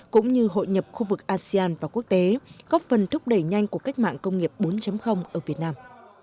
cũng như hội nhập khu vực asean và quốc tế góp phần thúc đẩy nhanh của cách mạng công nghiệp bốn ở việt nam